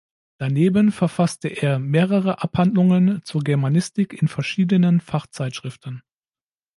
Daneben verfasste er mehrere Abhandlungen zur Germanistik in verschiedenen Fachzeitschriften.